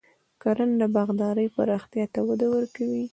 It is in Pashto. کرنه د باغدارۍ پراختیا ته وده ورکوي.